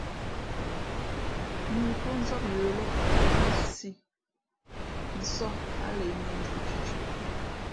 Mōō pó nzáp yə̌ lά nsī nsάh a lα imᾱnjūʼ thʉ̄thʉ̄ʼ.